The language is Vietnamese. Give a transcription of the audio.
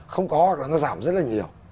không có hoặc là nó giảm rất là nhiều